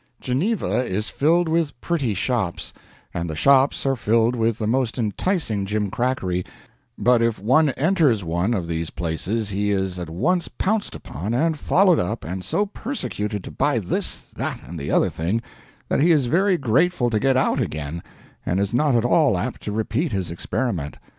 Geneva is filled with pretty shops, and the shops are filled with the most enticing gimcrackery, but if one enters one of these places he is at once pounced upon, and followed up, and so persecuted to buy this, that, and the other thing, that he is very grateful to get out again, and is not at all apt to repeat his experiment.